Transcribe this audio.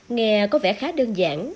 nghe có vẻ khá đơn giản